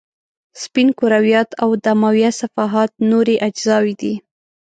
سپین کرویات او دمویه صفحات نورې اجزاوې دي.